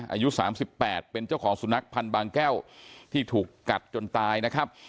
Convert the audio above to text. อายุ๓๘เป็นเจ้าของสุนัขพันธ์บางแก้วที่ถูกกัดจนตายนะครับ